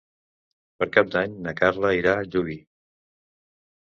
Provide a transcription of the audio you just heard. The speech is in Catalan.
Per Cap d'Any na Carla irà a Llubí.